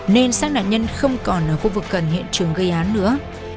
nên xác nạn nhân không còn ở khu vực cần hiện trường gây án nữa